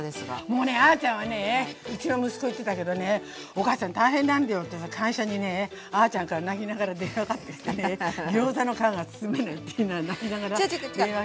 もうねあちゃんはねえうちの息子言ってたけどねお母さん大変なんだよってさ会社にねあちゃんから泣きながら電話かかってきてねギョーザの皮が包めないって泣きながら電話。